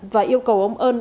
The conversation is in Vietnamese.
và yêu cầu ông ơn